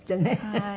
はい。